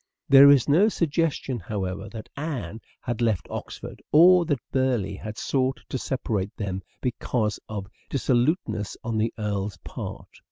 There is no suggestion, however, that Anne had left Oxford, or that Burleigh had sought to separate them because of dissoluteness on the Earl's part.